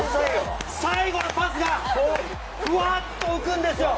最後のパスがふわっと浮くんですよ！